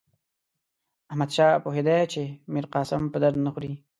احمدشاه پوهېدی چې میرقاسم په درد نه خوري.